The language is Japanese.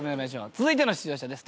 続いての出場者です。